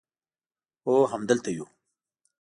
هو همدلته یو